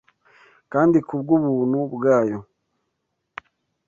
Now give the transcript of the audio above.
Kandi kubw’ubuntu bwayo